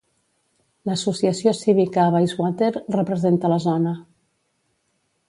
L'Associació Cívica Bayswater representa la zona.